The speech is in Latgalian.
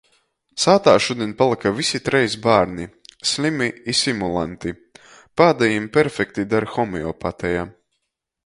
Sātā šudiņ palyka vysi treis bārni. Slymi i simulanti, pādejim perfekti der homeopateja.